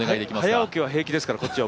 早起きは平気ですから、こっちは。